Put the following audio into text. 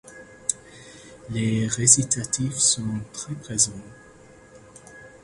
Les récitatifs sont très présents.